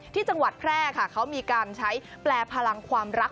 ที่จังหวัดแพร่ค่ะเขามีการใช้แปลพลังความรัก